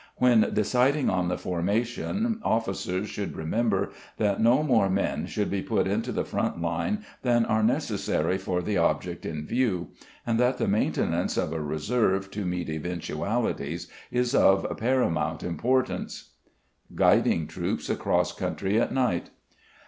When deciding on the formation officers should remember that no more men should be put into the front line than are necessary for the object in view, and that the maintenance of a reserve to meet eventualities is of paramount importance. _Guiding Troops Across Country at Night.